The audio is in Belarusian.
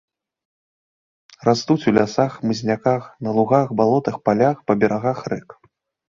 Растуць у лясах, хмызняках, на лугах, балотах, палях, па берагах рэк.